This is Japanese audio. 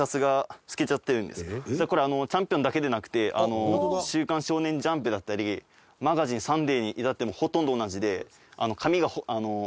実はこれ『チャンピオン』だけでなくて『週刊少年ジャンプ』だったり『マガジン』『サンデー』に至ってもほとんど同じで。